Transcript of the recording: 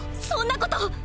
そんなこと！！